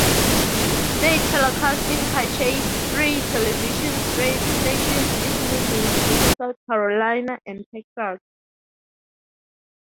State Telecasting purchased three television stations in New Mexico, South Carolina and Texas.